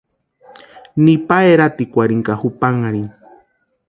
Nipa eratikwarhini ka jupanharhini.